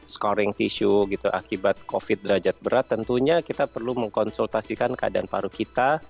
scoring tisu gitu akibat covid derajat berat tentunya kita perlu mengkonsultasikan keadaan paru kita